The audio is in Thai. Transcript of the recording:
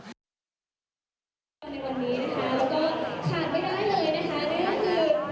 ข้อมูล